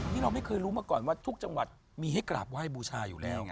นี่เราไม่เคยรู้มาก่อนว่าทุกจังหวัดมีให้กราบไหว้บูชาอยู่แล้วไง